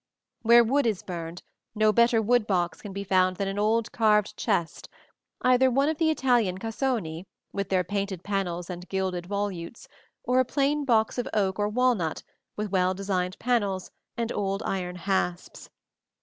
Where wood is burned, no better wood box can be found than an old carved chest, either one of the Italian cassoni, with their painted panels and gilded volutes, or a plain box of oak or walnut with well designed panels and old iron hasps.